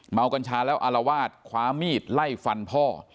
กัญชาแล้วอารวาสคว้ามีดไล่ฟันพ่อ